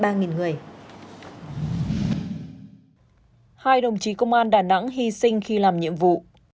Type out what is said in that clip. hai đồng chí công an đà nẵng hy sinh khi làm nhiệm vụ